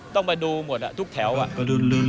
ต้องไปดูหมดอ่ะทุกแถวอ่ะ